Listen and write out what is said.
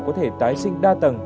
có thể tái sinh đa tầng